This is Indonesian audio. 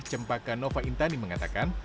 cempaka nova intani mengatakan